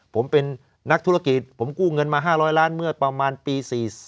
ผมเป็นนักธุรกิจผมกู้เงินมา๕๐๐ล้านเมื่อประมาณปี๔๔